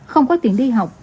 không có tiền đi học